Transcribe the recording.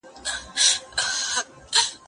ته ولي سبزیجات جمع کوې؟